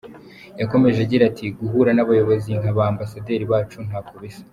Yakomeje agira ati “Guhura n’abayobozi nka ba Ambasaderi bacu ntako bisa.